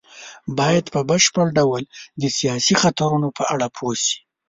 بايد په بشپړ ډول د سياسي خطرونو په اړه پوه شي.